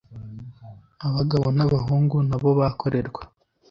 abagabo n abahungu na bo bakorerwa